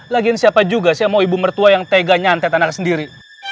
lagian siapa juga sih yang mau ibu mertua yang tega nyantet anak sendiri